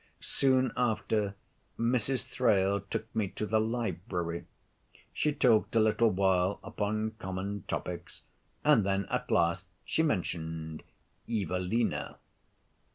Soon after, Mrs. Thrale took me to the library; she talked a little while upon common topics, and then at last she mentioned 'Evelina.'